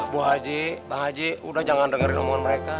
bu haji pak haji udah jangan dengerin omongan mereka